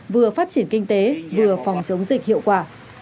vừa phát triển kinh tế vừa phòng chống dịch hiệu quả